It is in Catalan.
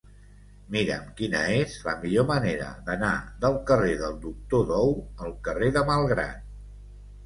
Mira'm quina és la millor manera d'anar del carrer del Doctor Dou al carrer de Malgrat.